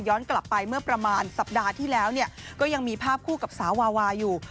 กลับไปเมื่อประมาณสัปดาห์ที่แล้วก็ยังมีภาพคู่กับสาววาวาอยู่